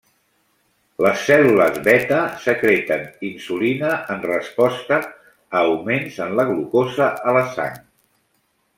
Les cèl·lules beta secreten insulina en resposta a augments en la glucosa a la sang.